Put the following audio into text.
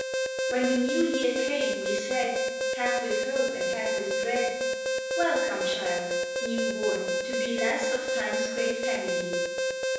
HEN the New Year came, we said, Half with hope and half with dread :" Welcome, child, new born to be Last of Time s great family